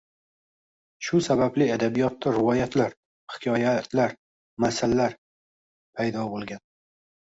Shu sababli adabiyotda rivoyatlar, hikoyatlar, masallar paydo boʻlgan